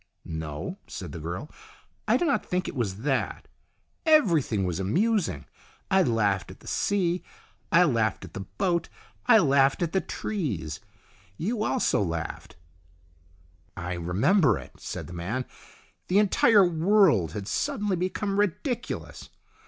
" No," said the girl, " I do not think it was that. Everything was amusing. I laughed at the sea, I laughed at the boat, I laughed at the trees. You also laughed." "I remember it," said the man. "The entire world had suddenly become ridiculous.